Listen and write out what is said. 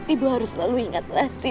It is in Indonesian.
ibu harus selalu ingat lestri